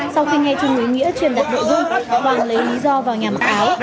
sau khi nghe chương quý nghĩa truyền đặt đội dung hoàng lấy lý do vào nhà mặc áo